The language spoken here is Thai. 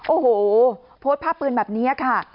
โอ้โหโพสต์ภาพปืนแบบนี้ค่ะ